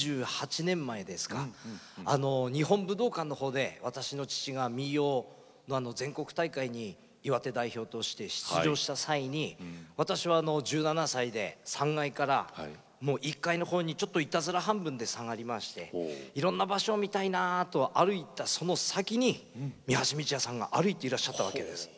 日本武道館のほうで私の父が民謡の全国大会に岩手代表として出場した際に私は１７歳で３階から１階のほうにちょっといたずら半分で下がりましていろんな場所を見たいなと歩いたその先に三橋美智也さんが歩いていらっしゃったわけです。